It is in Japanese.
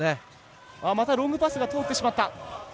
またロングパスが通ってしまった。